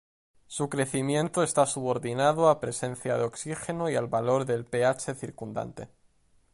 Su crecimiento está subordinado a presencia de oxígeno y al valor del pH circundante.